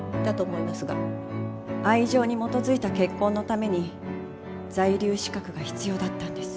愛情に基づいた結婚のために在留資格が必要だったんです。